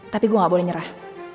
tapi gue gak boleh nyerah